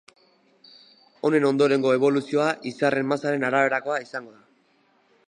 Honen ondorengo eboluzioa izarraren masaren araberakoa izango da.